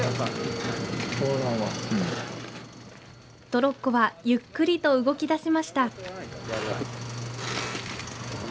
トロッコはゆっくりと動き出しました。